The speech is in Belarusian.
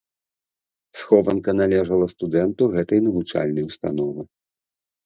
Схованка належала студэнту гэтай навучальнай установы.